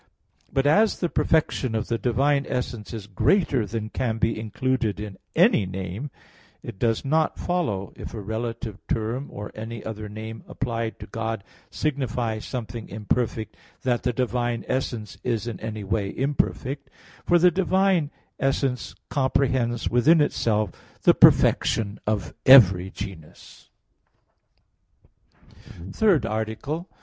But as the perfection of the divine essence is greater than can be included in any name, it does not follow, if a relative term or any other name applied to God signify something imperfect, that the divine essence is in any way imperfect; for the divine essence comprehends within itself the perfection of every genus (Q. 4, A. 2). _______________________ THIRD ARTICLE [I, Q.